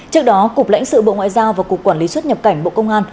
trước đó cục lãnh sự bộ ngoại giao và cục quản lý xuất nhập cảnh bộ công an